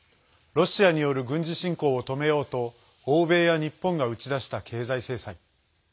ロシアによる軍事侵攻を止めようと欧米や日本が打ち出した経済制裁。